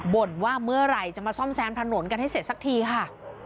บ่นว่าเมื่อไหร่จะมาซ่อมแซมถนนกันให้เสร็จสักทีค่ะ